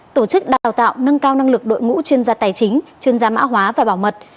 tổ chức đào tạo nâng cao năng lực đội ngũ chuyên gia tài chính chuyên gia mã hóa và bảo mật